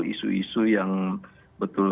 isu isu yang betul